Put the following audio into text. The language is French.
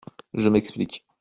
Je m’explique.